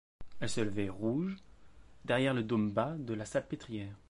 Elle se levait rouge derrière le dôme bas de la Salpêtrière.